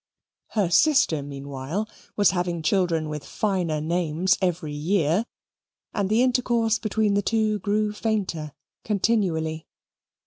Her sister, meanwhile, was having children with finer names every year and the intercourse between the two grew fainter continually.